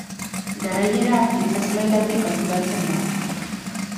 Garaiera itsas mailatik kalkulatzen da.